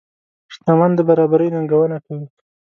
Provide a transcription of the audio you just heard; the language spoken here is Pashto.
شتمن د برابرۍ ننګونه کوي.